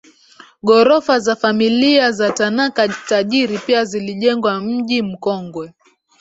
Ghorofa za familia za Tanaka tajiri pia zilijengwa mji mkongwe